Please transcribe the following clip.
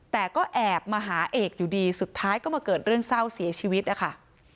แต่ก็แอบมาหาเอกอยู่ดีสุดท้ายก็มาเกิดเรื่องเศร้าเสียชีวิตนะคะ